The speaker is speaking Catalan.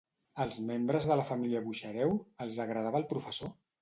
Als membres de la família Buxareu els agradava el professor?